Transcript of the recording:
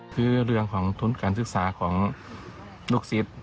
คือเรื่องของทุนการศึกษาของลูกศิษย์